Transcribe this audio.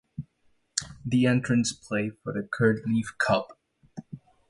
The entrants play for the Kurt Lief Cup.